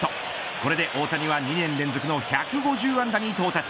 これで大谷は、２年連続の１５０安打に到達。